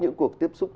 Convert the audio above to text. những cuộc tiếp xúc